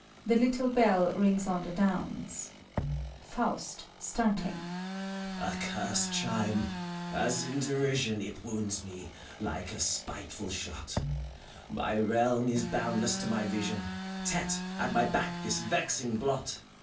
(The little hell rings on the dawne.) FAUST (starting). Accurst chime! As in derision It wounds me, like a spiteful shot: My realm is boundless to my vision, Tet at my back this vexing blot!